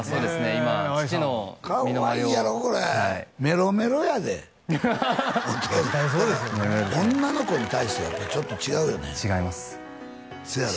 今父の身の回りをカワイイやろこれメロメロやでお父さん女の子に対してやっぱちょっと違うよね違いますせやろ？